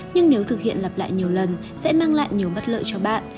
nhưng nếu thực hiện lặp lại nhiều lần sẽ mang lại nhiều bất lợi cho bạn